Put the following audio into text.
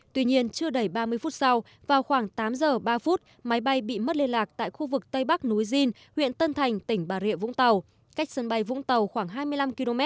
tuy nhiên chưa đầy ba mươi phút sau vào khoảng tám giờ ba phút máy bay bị mất liên lạc tại khu vực tây bắc núi din huyện tân thành tỉnh bà rịa vũng tàu cách sân bay vũng tàu khoảng hai mươi năm km